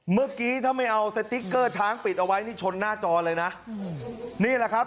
เมื่อกี้ถ้าไม่เอาสติ๊กเกอร์ช้างปิดเอาไว้นี่ชนหน้าจอเลยนะนี่แหละครับ